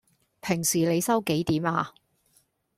平時你收幾點呀?